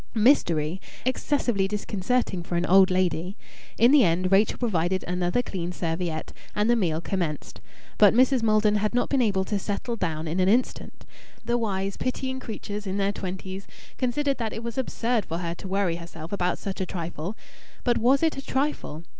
Mystery! Excessively disconcerting for an old lady! In the end Rachel provided another clean serviette, and the meal commenced. But Mrs. Maldon had not been able to "settle down" in an instant. The wise, pitying creatures in their twenties considered that it was absurd for her to worry herself about such a trifle. But was it a trifle?